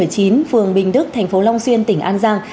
phường bình đức thành phố long xuyên tỉnh an giang